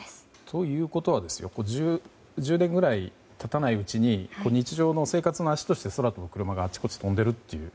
ということは１０年ぐらい経たないうちに日常の生活の足として空飛ぶクルマがあちこちを飛んでいるという。